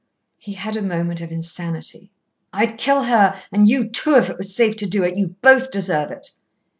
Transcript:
He had a moment of insanity. "I'd kill her and you too if it was safe to do it. You both deserve it!"